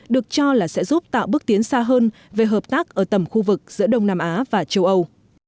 được cho là sẽ giúp tạo bước tiến xa hơn về hợp tác ở tầm khu vực giữa đông nam á và châu âu